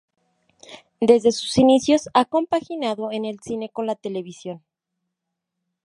Desde sus inicios ha compaginado el cine con la televisión.